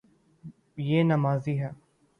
یے نمازی ہے